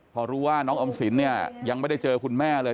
พอรู้ว่าน้องออมสินเนี่ยยังไม่ได้เจอคุณแม่เลย